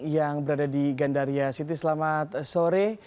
yang berada di gandaria city selamat sore